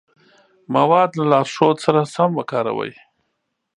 مواد له لارښود سره سم وکاروئ.